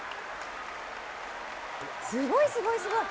すごい、すごい、すごい。